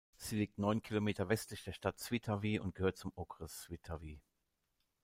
Sie liegt neun Kilometer westlich der Stadt Svitavy und gehört zum Okres Svitavy.